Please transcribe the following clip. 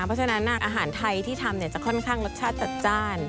เพราะฉะนั้นอาหารไทยที่ทำจะค่อนข้างรสชาติจัดจ้าน